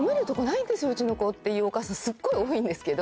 「うちの子」って言うお母さんすっごい多いんですけど。